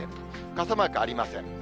傘マークありません。